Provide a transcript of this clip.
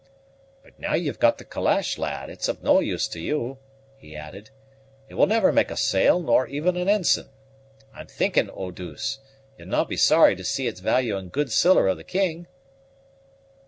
"But now you've got the calash, lad, it's of no use to you," he added; "it will never make a sail, nor even an ensign. I'm thinking, Eau douce, you'd no' be sorry to see its value in good siller of the king?"